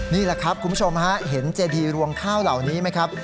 นี่แหละครับคุณผู้ชมฮะเห็นเจดีรวงข้าวเหล่านี้ไหมครับ